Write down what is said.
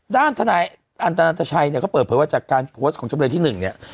ด้านทนายอันตนันทชัยเนี่ยเขาเปิดเผยว่าจากการโพสต์ของจำเลยที่๑เนี่ย